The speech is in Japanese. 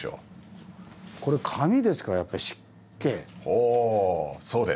おぉそうです！